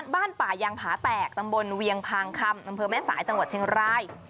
บ้านป่ายางผาแตกตำบลเวียงพางคำอำเภอแม่สายจังหวัดเชียงราย